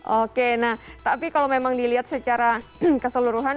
oke nah tapi kalau memang dilihat secara keseluruhan